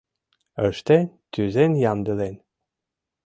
Ыштен, тӱзен ямдылен